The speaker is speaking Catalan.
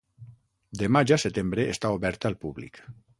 De maig a setembre està oberta al públic.